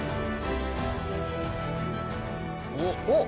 おっ！